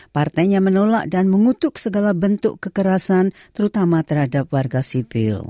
partainya menolak dan mengutuk segala bentuk kekerasan terutama terhadap warga sipil